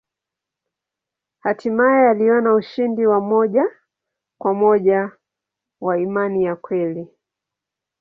Hatimaye aliona ushindi wa moja kwa moja wa imani ya kweli.